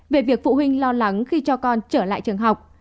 về việc phụ huynh lo lắng khi cho con trở lại trường học